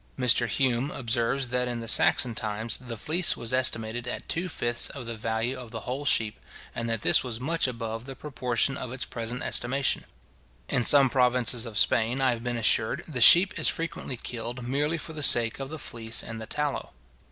Mr Hume observes, that in the Saxon times, the fleece was estimated at two fifths of the value of the whole sheep and that this was much above the proportion of its present estimation. In some provinces of Spain, I have been assured, the sheep is frequently killed merely for the sake of the fleece and the tallow.